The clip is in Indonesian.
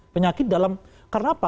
penyakit dalam karena apa